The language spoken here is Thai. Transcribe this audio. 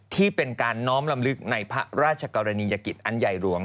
ที่เป็นการน้อมลำลึกในพระราชกรณียกิจอันใหญ่หลวง